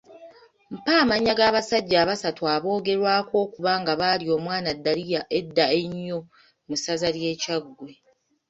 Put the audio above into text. Mpa amannya g’abasajja abasatu aboogerwako okuba nga baalya omwana Daliya edda ennyo mu Ssaza lye Kyaggwe.